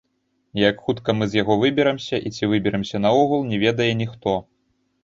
Як хутка мы з яго выберамся і ці выберамся наогул, не ведае ніхто.